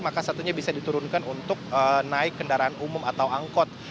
maka satunya bisa diturunkan untuk naik kendaraan umum atau angkot